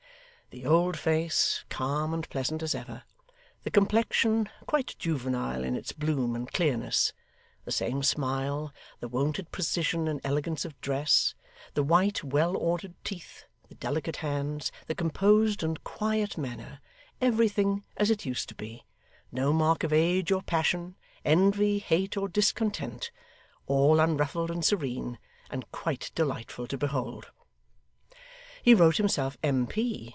The old face, calm and pleasant as ever; the complexion, quite juvenile in its bloom and clearness; the same smile; the wonted precision and elegance of dress; the white, well ordered teeth; the delicate hands; the composed and quiet manner; everything as it used to be: no mark of age or passion, envy, hate, or discontent: all unruffled and serene, and quite delightful to behold. He wrote himself M.P.